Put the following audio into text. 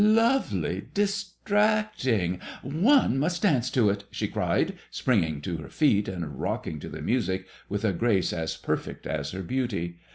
" Lovely ! Distracting I One must dance to it/' she cried, springing to her feet, and rocking to the music with a grace as perfect as her beauty.